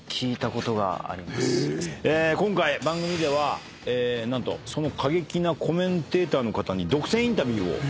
今回番組では何とその過激なコメンテーターの方に独占インタビューを。